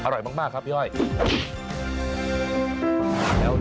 อร่อยมากครับพี่อ้อย